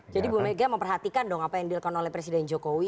jadi ibu mega memperhatikan dong apa yang dilakukan oleh presiden jokowi